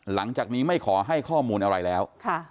หลังจากนี้ไม่ขอให้ข้อมูลอะไรแล้ว